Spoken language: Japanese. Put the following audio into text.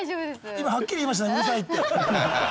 今はっきり言いましたねうるさいって。